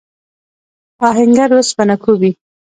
آهنګر اوسپنه کوبي.